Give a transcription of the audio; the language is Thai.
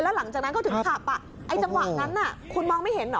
หลังจากนั้นเขาถึงขับไอ้จังหวะนั้นคุณมองไม่เห็นเหรอ